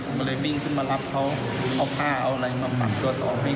ผมก็เลยวิ่งขึ้นมารับเขาเอาผ้าเอาอะไรมาปักตัวต่อให้